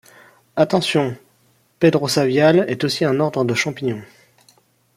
Attention, Petrosaviales est aussi un ordre de champignon.